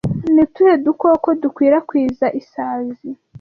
Ni utuhe dukoko dukwirakwiza Isazi